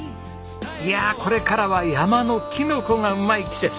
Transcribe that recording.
いやあこれからは山のキノコがうまい季節。